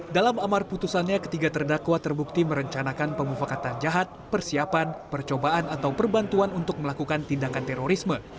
dalam amar putusannya ketiga terdakwa terbukti merencanakan pemufakatan jahat persiapan percobaan atau perbantuan untuk melakukan tindakan terorisme